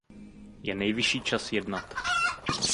Je nejvyšší čas jednat.